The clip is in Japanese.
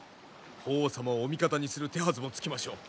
法皇様をお味方にする手はずもつきましょう。